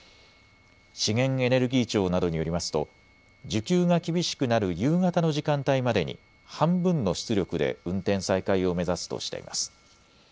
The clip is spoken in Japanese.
資源エネルギー庁などによりますと需給が厳しくなる夕方の時間帯までに半分の出力で運転再開を目指すとしています。